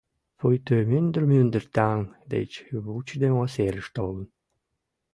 Пуйто мӱндыр-мӱндыр таҥ деч вучыдымо серыш толын...